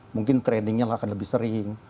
mungkin trainingnya akan lebih sering